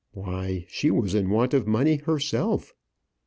Why, she was in want of money herself!